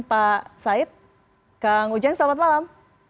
pak said kang ujang selamat malam